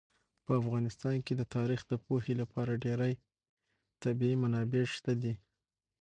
په افغانستان کې د تاریخ د پوهې لپاره ډېرې طبیعي منابع شته دي.